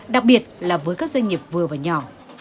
đặc biệt là với các doanh nghiệp vừa và nhỏ